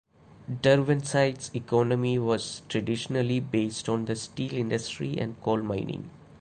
Derwentside's economy was traditionally based on the steel industry and coal mining.